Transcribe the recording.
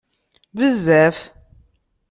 Bezzaf!